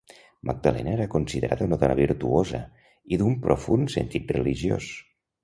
Magdalena era considerada una dona virtuosa i d'un profund sentit religiós.